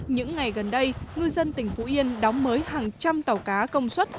những ngày gần đây ngư dân tỉnh phú yên đóng mới hàng trăm tàu cá công suất